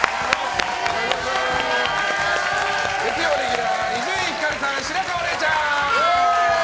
月曜レギュラー、伊集院光さん白河れいちゃん！